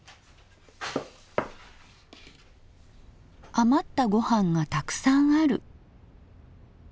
余ったご飯がたくさんある。